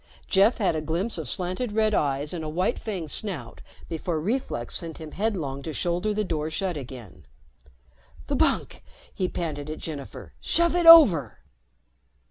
Jeff had a glimpse of slanted red eyes and white fanged snout before reflex sent him headlong to shoulder the door shut again. "The bunk," he panted at Jennifer. "Shove it over."